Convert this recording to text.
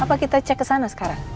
apa kita cek ke sana sekarang